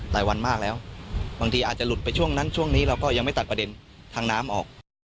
หลายวันมากแล้วบางทีอาจจะหลุดไปช่วงนั้นช่วงนี้เราก็ยังไม่ตัดประเด็นทางน้ำออก